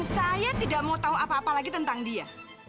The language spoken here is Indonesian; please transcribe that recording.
saya tidak mau tahu apa apa lagi tentang dia